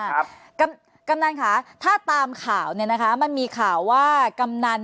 กำกำนันค่ะถ้าตามข่าวเนี่ยนะคะมันมีข่าวว่ากำนัน